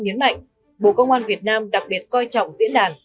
nhấn mạnh bộ công an việt nam đặc biệt coi trọng diễn đàn